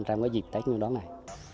trong cái dịp tết như đó này